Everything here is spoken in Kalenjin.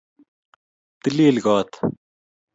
Tilil koot